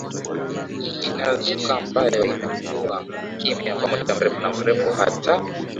inazuka ambayo imekuwa kimya kwa muda mrefu na mrefu Hata